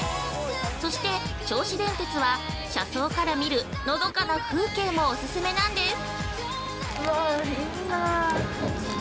そして、銚子電鉄は車窓から見るのどかな風景もオススメなんです。